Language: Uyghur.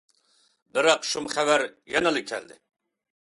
بىراق، شۇم خەۋەر يەنىلا كەلدى.